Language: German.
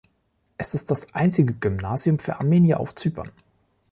Es ist das einzige Gymnasium für Armenier auf Zypern.